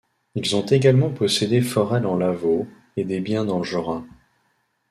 Ils ont également possédé Forel en Lavaux et des biens dans le Jorat.